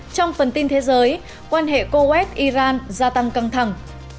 trong phần tin thế giới quan hệ coet iran gia tăng căng thẳng